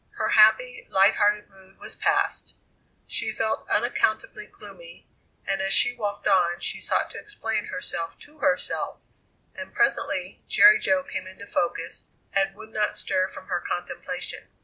Her happy, light hearted mood was past; she felt unaccountably gloomy, and as she walked on she sought to explain herself to herself, and presently Jerry Jo came into focus and would not stir from her contemplation.